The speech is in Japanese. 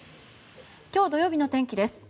今日土曜日の天気です。